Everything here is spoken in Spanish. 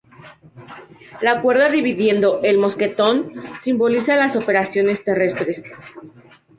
La cuerda dividiendo el mosquetón simboliza las operaciones terrestres.